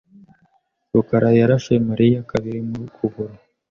rukarayarashe Mariya kabiri mu kuguru.